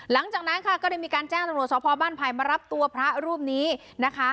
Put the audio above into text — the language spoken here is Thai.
หลังจากนั้นค่ะก็ได้มีการแจ้งตำรวจสพบ้านไผ่มารับตัวพระรูปนี้นะคะ